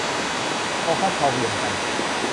พอฟัดพอเหวี่ยงกัน